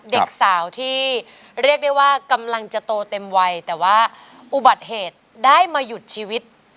เด็กสาวที่เรียกได้ว่ากำลังจะโตเต็มวัยแต่ว่าอุบัติเหตุได้มาหยุดชีวิต